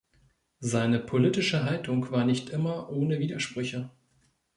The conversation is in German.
Seine politische Haltung war nicht immer ohne Widersprüche.